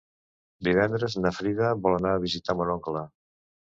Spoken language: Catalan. Divendres na Frida vol anar a visitar mon oncle.